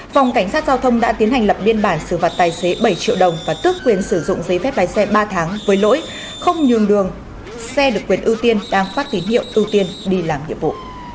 phòng cảnh sát giao thông đã tiến hành lập biên bản xử vật tài xế bảy triệu đồng và tước quyền sử dụng giấy phép lái xe ba tháng với lỗi không nhường đường xe được quyền ưu tiên đang phát tín hiệu ưu tiên đi làm nhiệm vụ